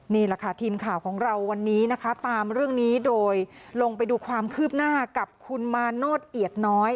นี่แหละค่ะทีมข่าวของเราวันนี้นะคะตามเรื่องนี้โดยลงไปดูความคืบหน้ากับคุณมาโนธเอียดน้อย